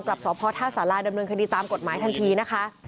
กลับสอบพอท่าสาราดำเนินคดีตามกฎหมายทางเดียว